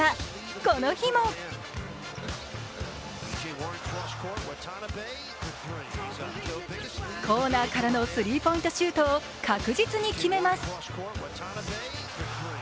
この日もコーナーからのスリーポイントシュートを確実に決めます。